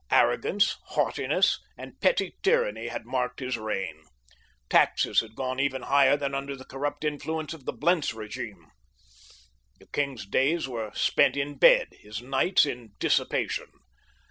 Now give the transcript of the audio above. Arrogance, haughtiness, and petty tyranny had marked his reign. Taxes had gone even higher than under the corrupt influence of the Blentz regime. The king's days were spent in bed; his nights in dissipation.